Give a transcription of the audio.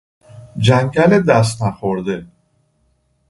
جنگل دست نخورده